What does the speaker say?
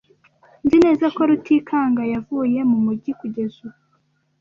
Nzi neza ko Rutikanga yavuye mu mujyi kugeza ubu.